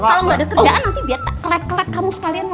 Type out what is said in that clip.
kalo gak ada kerjaan nanti biar kelet kelet kamu sekalian mau